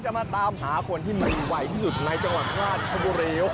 จะมาตามหาคนที่มือวัยที่สุดในจังหวังธรรมดา